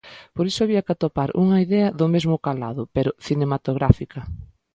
Por iso había que atopar unha idea do mesmo calado, pero cinematográfica.